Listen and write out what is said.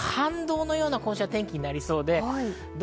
その反動のような天気に今週はなりそうです。